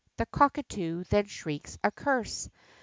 the cockatoo then shrieks a curse!